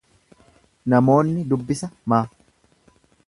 Namoonni dubbisa ma